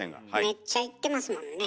めっちゃ行ってますもんね。